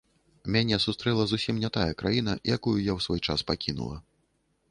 Мяне сустрэла зусім не тая краіна, якую я ў свой час пакінула.